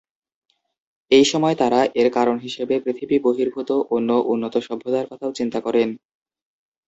এইসময় তারা এর কারণ হিসেবে পৃথিবী বহির্ভূত অন্য উন্নত সভ্যতার কথাও চিন্তা করেন।